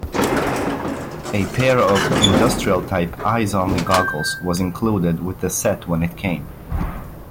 A pair of industrial-type eyes-only goggles was included with the set when it came.